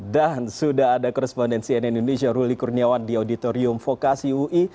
dan sudah ada koresponden cnn indonesia ruli kurniawan di auditorium vokasi ui